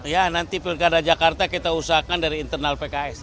ya nanti pilkada jakarta kita usahakan dari internal pks